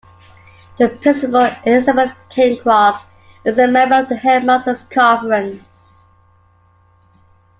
The principal, Elizabeth Cairncross, is a member of the Headmasters' Conference.